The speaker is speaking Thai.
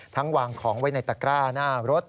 วางของไว้ในตะกร้าหน้ารถ